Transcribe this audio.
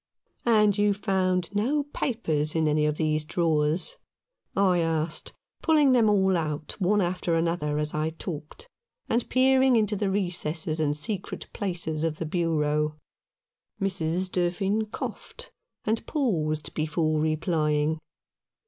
"And you found no papers in any of these 190 Mr. Fanned s Record. drawers ?" I asked, pulling them all out, one after another, as I talked, and peering into the recesses and secret places of the bureau. Mrs. Durfin coughed, and paused before replying.